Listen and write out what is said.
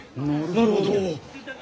なるほど！